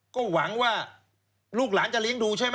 ก็หวังว่าลูกหลานจะเลี้ยงดูใช่ไหม